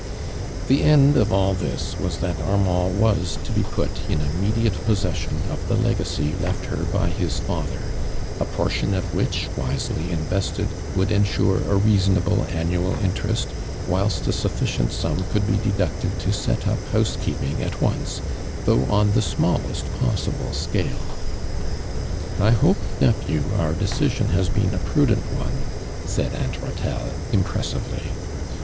The end of all this was that Armand was to be put in immediate possession of the legacy left her by his father, a portion of which, wisely invested, would ensure a reasonable annual interest, wliilst a sufficient sum coukl be deducted to set up 60 ARMAND DUKAND.' house keeping atonco, though on Uiesmnll est possible scale. " I hope, nephew, our decision has been a prudent one," suid Aunt llatelle, im pressively.